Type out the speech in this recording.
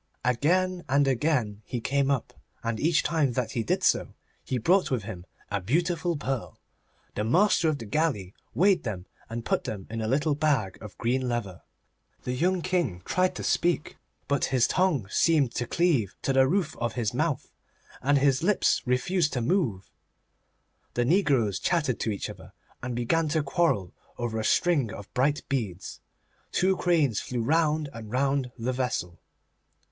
Again and again he came up, and each time that he did so he brought with him a beautiful pearl. The master of the galley weighed them, and put them into a little bag of green leather. The young King tried to speak, but his tongue seemed to cleave to the roof of his mouth, and his lips refused to move. The negroes chattered to each other, and began to quarrel over a string of bright beads. Two cranes flew round and round the vessel.